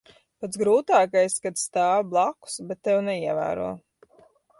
Pats grūtākais - kad stāvi blakus, bet tevi neievēro.